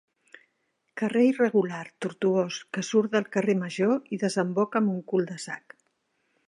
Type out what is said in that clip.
Carrer irregular, tortuós que surt del carrer major i desemboca amb un cul de sac.